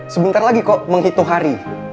sebentar lagi kok menghitung hari